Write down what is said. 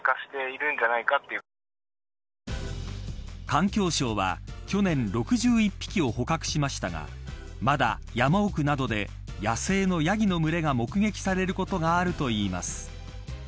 環境省は去年、６１匹を捕獲しましたがまだ山奥などで野生のヤギの群れが目撃されることがあるといいます。